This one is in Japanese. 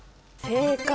正解！